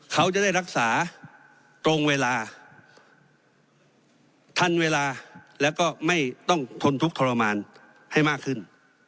เขาจะได้รักษาตรงเวลาทันเวลาแล้วก็ไม่ต้องทนทุกข์ทรมานให้มากขึ้น